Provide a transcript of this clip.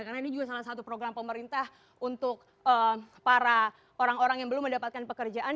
karena ini juga salah satu program pemerintah untuk para orang orang yang belum mendapatkan pekerjaan